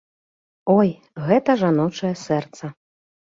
Ой, гэта жаночае сэрца!